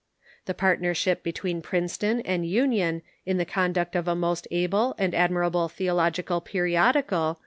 The partnership between Princeton and Union in the conduct of a most able and admirable theological period ical.